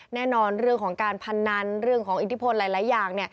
แน่นอนเรื่องของการพนันเรื่องของอิทธิพลหลายอย่าง